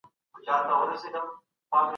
تاسو به د کومو ستونزو په اړه لیکنه کوئ؟